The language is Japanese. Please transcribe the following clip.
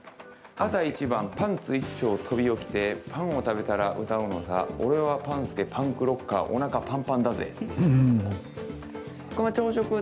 朝一番パンツ一丁飛び起きてパンを食べたら歌うのさ俺はパン介パンクロッカーおなかぱんぱんだぜ。